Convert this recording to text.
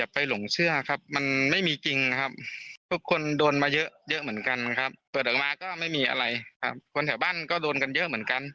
เปิดออกมาก็ไม่มีอะไรครับคนแถวบ้านก็โดนกันเยอะเหมือนกัน